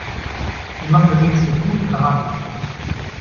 Wir machen das jetzt zu Fuß per Hand.